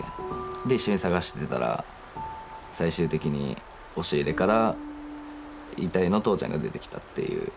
で一緒に捜してたら最終的に押し入れから遺体の父ちゃんが出てきたっていう。